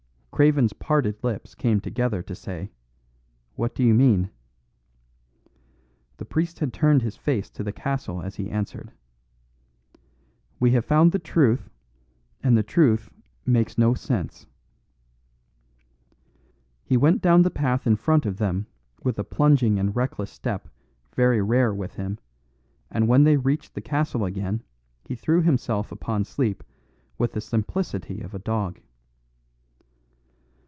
Craven's parted lips came together to say, "What do you mean?" The priest had turned his face to the castle as he answered: "We have found the truth; and the truth makes no sense." He went down the path in front of them with a plunging and reckless step very rare with him, and when they reached the castle again he threw himself upon sleep with the simplicity of a dog.